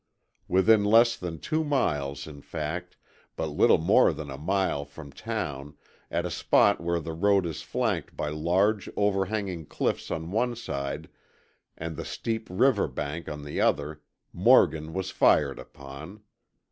Within less than two miles, in fact, but little more than a mile from town, at a spot where the road is flanked by large overhanging cliffs on one side and the steep river bank on the other, Morgan was fired upon.